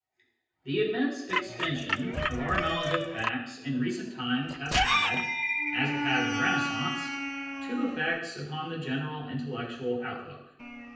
The immense extension of our knowledge of facts in recent times has had, as it had in the Renaissance, two effects upon the general intellectual outlook.